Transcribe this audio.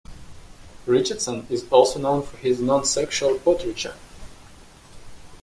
Richardson is also known for his nonsexual portraiture.